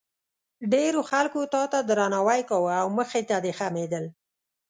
ډېرو خلکو تا ته درناوی کاوه او مخې ته دې خمېدل.